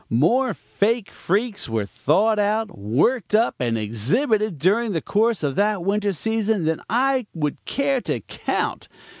More fake freaks were thought out, worked up and exhibited during the course of that winter season than I would care to count.